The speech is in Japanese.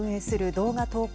動画投稿